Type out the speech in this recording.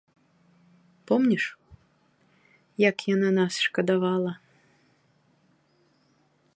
Помніш, як яна нас шкадавала?